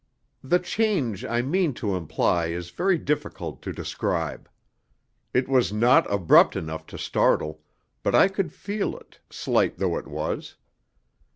The change I mean to imply is very difficult to describe. It was not abrupt enough to startle, but I could feel it, slight though it was.